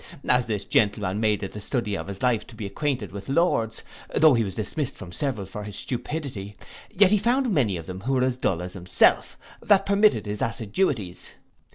As this gentleman made it the study of his life to be acquainted with lords, though he was dismissed from several for his stupidity; yet he found many of them who were as dull as himself, that permitted his assiduities.